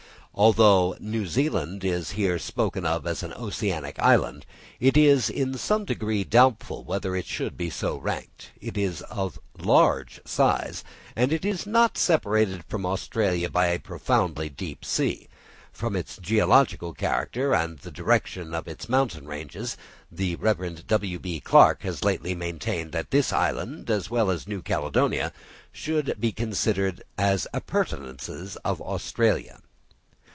Although New Zealand is here spoken of as an oceanic island, it is in some degree doubtful whether it should be so ranked; it is of large size, and is not separated from Australia by a profoundly deep sea; from its geological character and the direction of its mountain ranges, the Rev. W.B. Clarke has lately maintained that this island, as well as New Caledonia, should be considered as appurtenances of Australia.